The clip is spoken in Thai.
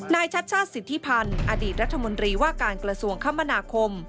ชัดชาติสิทธิพันธ์อดีตรัฐมนตรีว่าการกระทรวงคมนาคม